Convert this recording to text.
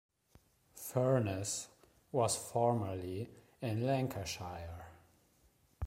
Furness was formerly in Lancashire.